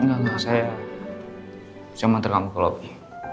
engga engga saya mau mantar kamu ke lobby